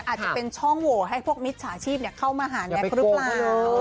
อาจจะเป็นช่องโหวให้พวกมิจฉาชีพเข้ามาหาแน็กหรือเปล่า